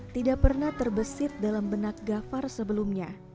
tidak pernah terbesit dalam benak gafar sebelumnya